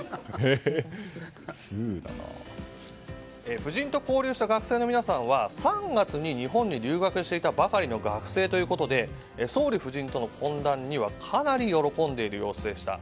夫人と交流した学生の皆さんは３月に日本に留学していたばかりの学生ということで総理夫人との懇談にはかなり喜んでいる様子でした。